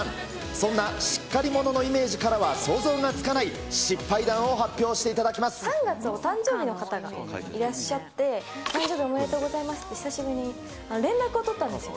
そんなしっかり者のイメージからは想像がつかない失敗談を発表し３月、お誕生日の方がいらっしゃって、お誕生日おめでとうございますって、久しぶりに連絡を取ったんですよ。